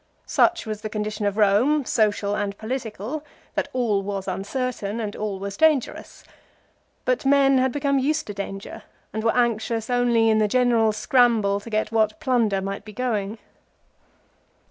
Such was the condition of Home, social and political, that all was uncertain and all was dangerous. But men had become used to danger, and were anxious only in the general scramble to get what plunder might be going.